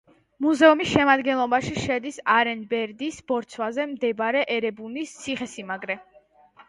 მუზეუმის შემადგენლობაში შედის არინ-ბერდის ბორცვზე მდებარე ერებუნის ციხესიმაგრე.